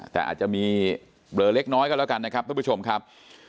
แต่อาจจะมีเบลอเล็กน้อยก็แล้วกันนะครับทุกผู้ชมครับ